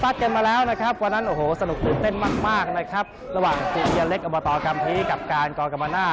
จารย์ฟิศซ้อมมาฝ่างระบวนทุกหมดประภา